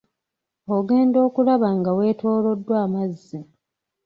Ogenda okulaba nga weetooloddwa amazzi.